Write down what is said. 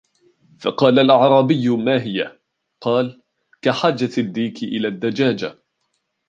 فَقَالَ الْأَعْرَابِيُّ مَا هِيَ ؟ قَالَ كَحَاجَةِ الدِّيكِ إلَى الدَّجَاجَةِ